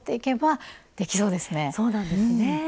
そうなんですねぇ。